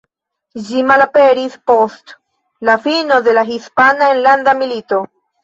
Ĝi malaperis post la fino de la Hispana Enlanda Milito.